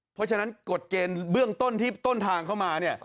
เพราะฉะนั้นกฎเกณฑ์เบื้องต้นที่ต้นทางเข้ามาเนี่ย